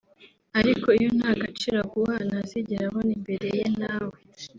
ariko iyo nta gaciro aguha ntazigera abona imbere ye nawe